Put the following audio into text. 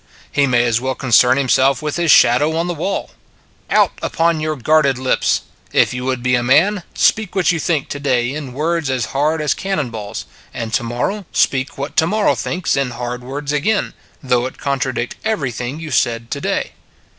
He may as well concern himself with his shadow on the wall. Out upon your guarded lips! ... If you would be a man, speak what you think to day in words as hard as cannon balls, and to morrow speak what to morrow thinks in hard words again, though it contradict everything you said to day.